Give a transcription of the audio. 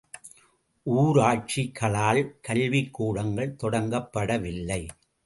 ஊராட்சிகளால் கல்விக்கூடங்கள் தொடங்கப்படவில்லை.